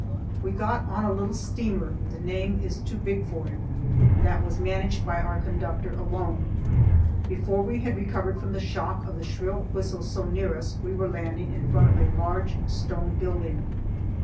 We got on a little steamer (the name is too big for it) that was managed by our conductor alone. Before we had recovered from the shock of the shrill whistle so near us, we were landing in front of a large stone building.